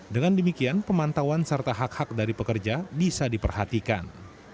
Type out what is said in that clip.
dengan demikian pemantauan serta hak hak dari pekerja bisa diperhatikan